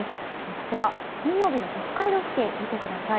こちら、金曜日の北海道付近見てください。